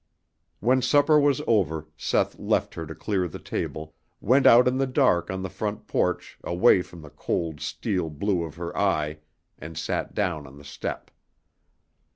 When supper was over Seth left her to clear the table, went out in the dark on the front porch away from the cold steel blue of her eye and sat down on the step.